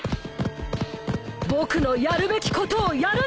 僕のやるべきことをやるんだ！